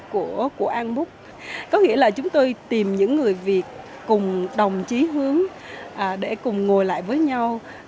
có nghĩa là chúng tôi tìm những người việt cùng đồng chí hướng để cùng ngồi lại với nhau